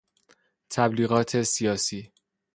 تبلیغات سیاسی